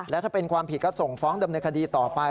และถ้าเป็นความผิดก็ส่งฟ้องดำเนินคดีต่อไป